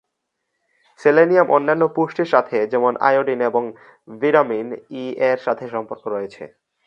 Selenium অন্যান্য পুষ্টির সাথে যেমন আয়োডিন এবং ভিটামিন ই এর সাথে সম্পর্ক রয়েছে।